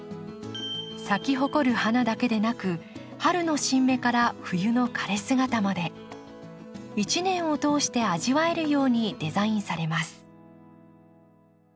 咲き誇る花だけでなく春の新芽から冬の枯れ姿まで一年を通して味わえるようにデザインされます。